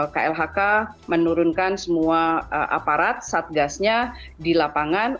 klhk menurunkan semua aparat satgasnya di lapangan